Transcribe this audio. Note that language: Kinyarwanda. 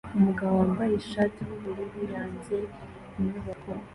Umugabo wambaye ishati yubururu yanze inyubako